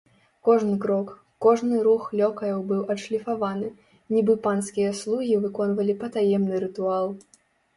Кожны крок, кожны рух лёкаяў быў адшліфаваны, нібы панскія слугі выконвалі патаемны рытуал.